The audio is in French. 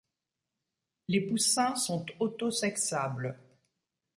Les poussins sont autosexables.